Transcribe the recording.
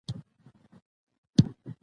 راشد لطيف یو تجربه لرونکی وکټ کیپر وو.